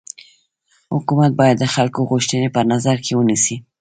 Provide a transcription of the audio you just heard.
حکومت باید د خلکو غوښتني په نظر کي ونيسي.